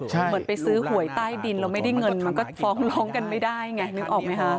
เหมือนไปซื้อหวยใต้ดินแล้วไม่ได้เงินมันก็ฟ้องร้องกันไม่ได้ไงนึกออกไหมคะ